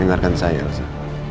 dengarkan saya elsa